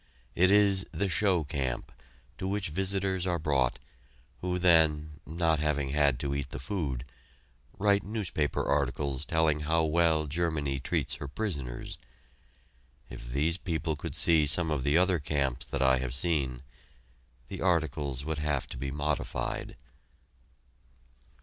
It is the "Show Camp," to which visitors are brought, who then, not having had to eat the food, write newspaper articles telling how well Germany treats her prisoners. If these people could see some of the other camps that I have seen, the articles would have to be modified.